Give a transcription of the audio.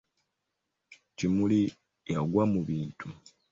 Kimuli yagwa mu bintu.